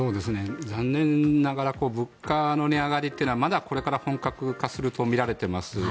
残念ながら物価の値上がりというのはまだこれから本格化するとみられています。